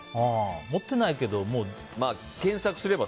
持ってないけど。